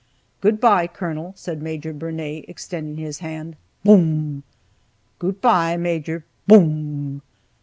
"Goot by, Colonel," said Major Bernay, extending his hand; (Boom!) "Goot by Major;" (Boom!)